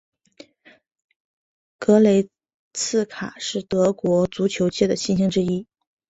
格雷茨卡是德国足球界的新星之一。